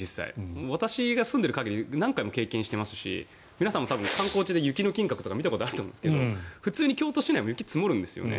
私が住んでいる限り何回も経験していますし皆さんも観光地で雪の金閣とか見たことあると思うんですが普通に京都市内も雪積もるんですよね。